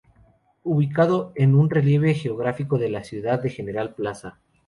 Ubicado en un relieve geográfico de la ciudad de General Plaza.